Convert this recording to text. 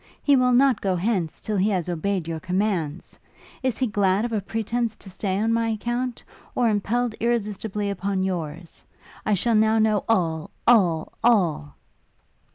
He will not go hence, till he has obeyed your commands! Is he glad of a pretence to stay on my account? or impelled irresistibly upon yours? I shall now know all, all, all!'